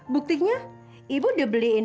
buktinya ibu udah beliin